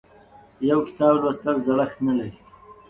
یو کتاب لوستل زړښت نه لري.